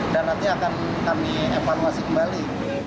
dan nanti akan kami evaluasi kembali